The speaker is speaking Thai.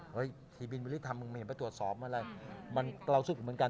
เฮ้ยทีบินบริษัททำไม่เห็นไปตรวจสอบอะไรเรารู้สึกเหมือนกัน